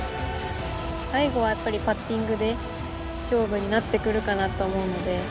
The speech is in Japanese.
◆最後はパッティングで勝負になってくるかと思うので。